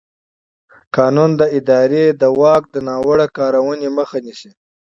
قانون د ادارې د واک د ناوړه کارونې مخه نیسي.